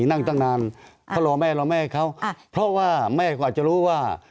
นั่งตั้งนานเขารอแม่รอแม่เขาเพราะว่าแม่กว่าจะรู้ว่า